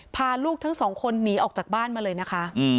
พาลูกทั้งสองคนหนีออกจากบ้านมาเลยนะคะ